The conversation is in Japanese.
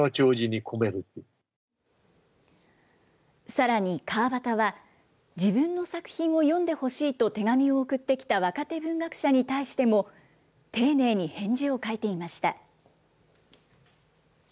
さらに、川端は、自分の作品を読んでほしいと手紙を送ってきた若手文学者に対しても、丁寧に返事を書いていました。